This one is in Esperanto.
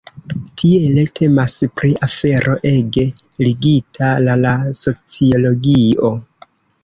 Tiele temas pri afero ege ligita la la sociologio.